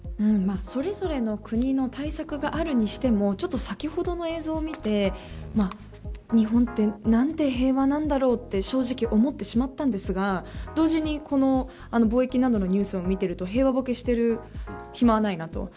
それぞれの国の対策があるにしてもちょっと先ほどの映像を見て日本て何て平和なんだろうって正直思ってしまったんですが同時に、この貿易などのニュースを見ていると平和ぼけしてる暇はないなと。